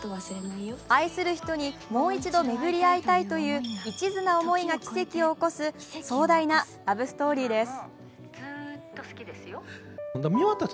愛する人にもう一度めぐり逢いたいといういちずな思いが奇跡を起こす壮大なラブストーリーです。